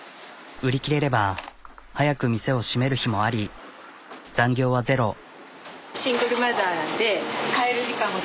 売り切れれば早く店を閉める日もあり残業はゼロ。